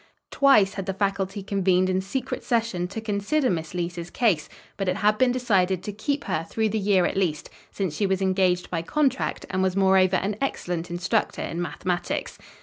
Twice had the faculty convened in secret session to consider Miss Leece's case, but it had been decided to keep her through the year at least, since she was engaged by contract and was moreover an excellent instructor in mathematics.